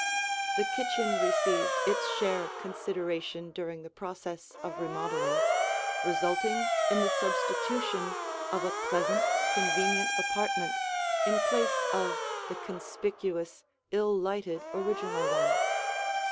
The kitchen received its share of consideration during the process of remodeling, resulting in the substitution of a pleasant, convenient apartment in place of the conspicuous, ill lighted, original one.